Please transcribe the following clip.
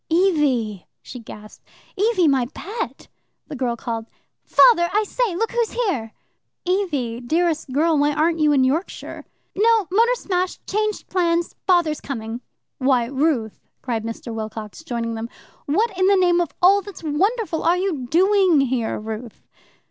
"Evie!" she gasped. "Evie, my pet " The girl called, "Father! I say! look who's here." "Evie, dearest girl, why aren't you in Yorkshire?" "No motor smash changed plans Father's coming." "Why, Ruth!" cried Mr. Wilcox, joining them. "What in the name of all that's wonderful are you doing here, Ruth?"